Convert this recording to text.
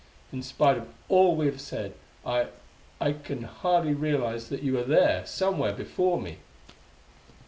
In spite of all we have said. I I can hardly realize that you are there, somewhere, before me."